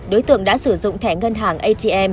đối tượng đã sử dụng thẻ ngân hàng atm